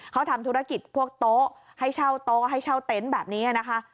เขาทำธุรกิจพวกโต๊ะให้เช่าโต๊ะให้เช่าเต็นต์แบบนี้นะคะ